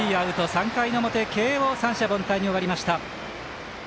３回の表、慶応三者凡退に終わりました。